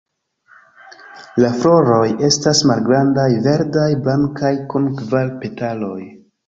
La floroj estas malgrandaj, verdaj-blankaj, kun kvar petaloj.